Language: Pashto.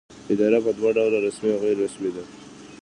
اداره په دوه ډوله رسمي او غیر رسمي ده.